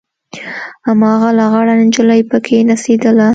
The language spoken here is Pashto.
هماغه لغړه نجلۍ پکښې نڅېدله.